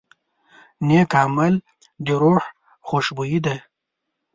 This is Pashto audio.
نیک عمل د روح خوشبويي ده.